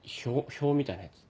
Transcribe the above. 表みたいなやつ。